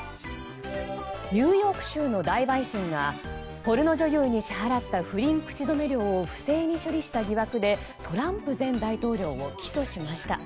ニューヨーク州の大陪審がポルノ女優に支払った不倫口止め料を不正に処理した疑惑でトランプ前大統領を起訴しました。